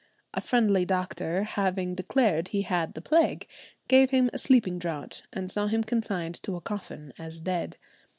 A friendly doctor having declared he had the plague, gave him a sleeping draught, and saw him consigned to a coffin as dead.